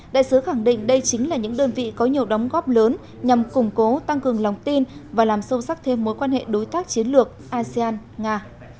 đại sứ khẳng định đây chính là những đơn vị có nhiều đóng góp lớn nhằm củng cố tăng cường lòng tin và làm sâu sắc thêm mối quan hệ đối tác chiến lược asean nga